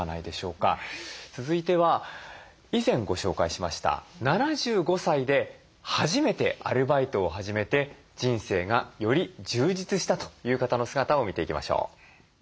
続いては以前ご紹介しました７５歳で初めてアルバイトを始めて人生がより充実したという方の姿を見ていきましょう。